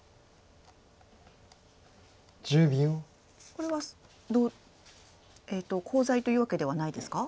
これはコウ材というわけではないですか？